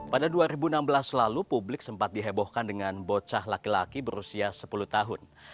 pada dua ribu enam belas lalu publik sempat dihebohkan dengan bocah laki laki berusia sepuluh tahun